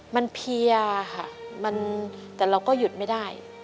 มันเพียค่ะแต่เราก็หยุดไม่ได้